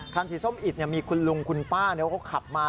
คันสีส้มอิดมีคุณลุงคุณป้าเขาขับมา